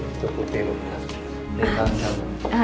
itu putih rumah